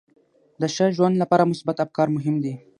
د ښه ژوند لپاره مثبت افکار مهم دي.